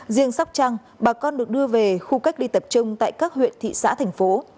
riêng sóc trăng bà con được đưa về khu cách ly tập trung tại các huyện thị xã thành phố